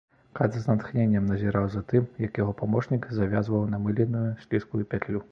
Кат з натхненнем назіраў за тым, як яго памочнік завязваў намыленую, слізкую пятлю.